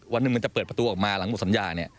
วันหนึ่งมันจะเปิดประตูออกมาหลังหมดสัญญาเนี่ย